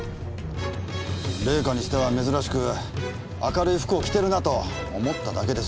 玲香にしては珍しく明るい服を着てるなと思っただけです。